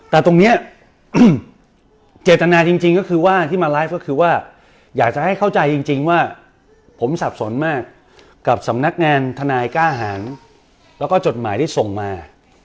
แต่ตรงนี้เจตนาจริงก็คือว่าที่มาไลฟ์ก็คือว่าอยากจะให้เข้าใจจริงว่าผมสับสนมากกับสำนักงานทนายกล้าหารแล้วก็จดหมายที่ส่งมา